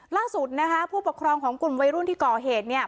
ล่าสุดนะคะผู้ปกครองของกลุ่มวัยรุ่นที่ก่อเหตุเนี่ย